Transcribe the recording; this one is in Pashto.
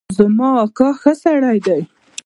زما اکا ښه سړی دی